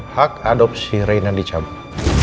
hak adopsi reina dicabut